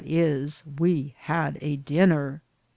we had a dinner.